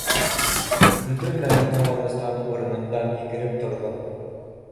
— Көтөлмәгән ҡыуаныстан урынымдан һикереп торҙом.